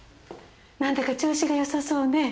何だか調子がよさそうね。